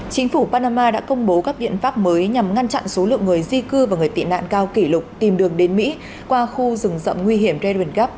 chính phủ panama đã công bố các biện pháp mới nhằm ngăn chặn số lượng người di cư và người tị nạn cao kỷ lục tìm đường đến mỹ qua khu rừng rậm nguy hiểm redwood gap